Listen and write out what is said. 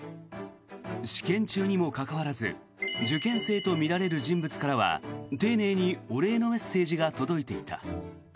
試験中にもかかわらず受験生とみられる人物からは丁寧にお礼のメッセージが届いていた。